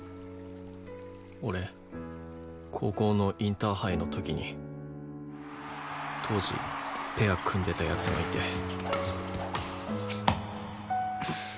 俺高校のインターハイの時に当時ペア組んでた奴がいて。